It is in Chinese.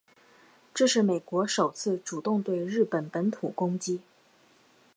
这是美国首次主动对日本本土攻击。